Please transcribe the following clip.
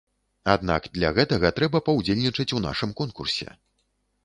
Аднак для гэтага трэба паўдзельнічаць у нашым конкурсе.